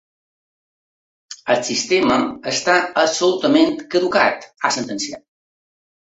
El sistema està absolutament caducat, ha sentenciat.